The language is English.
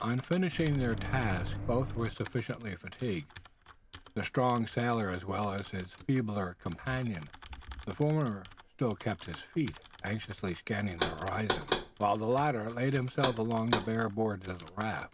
On finishing their task, both were sufficiently fatigued, the strong sailor as well as his feebler companion. The former still kept his feet, anxiously scanning the horizon; while the latter laid himself along the bare boards of the raft.